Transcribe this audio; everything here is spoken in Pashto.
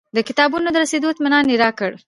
د کتابونو د رسېدو اطمنان یې راکړ.